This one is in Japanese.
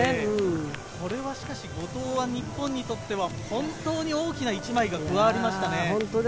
これはしかし後藤にとっては本当に大きな一枚、加わりましたね。